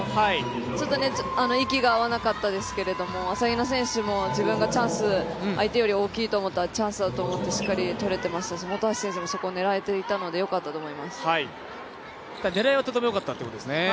ちょっと息が合わなかったですけども朝比奈選手も自分がチャンス相手より大きいと思ったらチャンスだと思ってしっかりとれてましたし本橋選手もそこを狙えていたので良かったと思います。